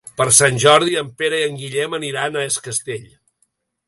Per Sant Jordi en Pere i en Guillem aniran a Es Castell.